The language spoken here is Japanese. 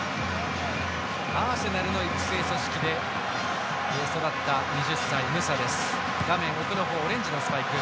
アーセナルの育成組織で育った２０歳のムサです。